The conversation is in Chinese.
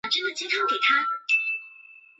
是香港银河卫视拥有的一条娱乐频道。